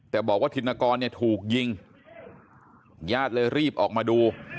แต่บอกว่าธินกรเนี่ยถูกยิงญาติเลยรีบออกมาดู